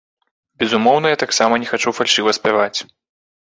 Безумоўна, я таксама не хачу фальшыва спяваць.